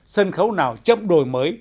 sân khấu nào chậm đổi mới